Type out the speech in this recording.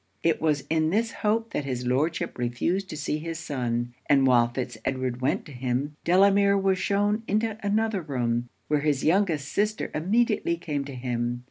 It was in this hope that his Lordship refused to see his son; and while Fitz Edward went to him, Delamere was shewn into another room, where his youngest sister immediately came to him.